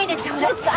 ちょっと。